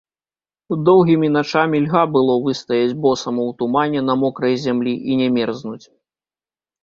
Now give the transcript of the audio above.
Доўгімі начамі льга было выстаяць босаму ў тумане на мокрай зямлі і не мерзнуць.